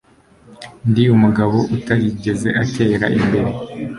Ndi umugabo utarigeze atera imbere